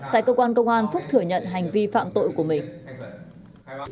tại cơ quan công an phúc thừa nhận hành vi phạm tội của mình